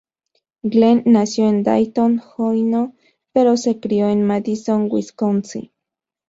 Glenn nació en Dayton, Ohio pero se crio en Madison, Wisconsin.